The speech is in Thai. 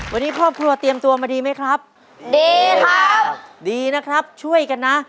วันนี้ครอบครัวเตรียมตัวมาดีไหมครับดีค่ะดีนะครับช่วยกันนะ